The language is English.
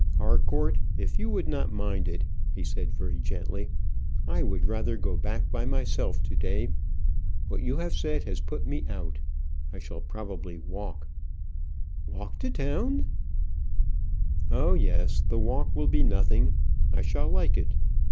"Harcourt, if you would not mind it," he said, very gently, "I would rather go back by myself to day. What you have said has put me out. I shall probably walk." "Walk to town!" "Oh, yes; the walk will be nothing: I shall like it.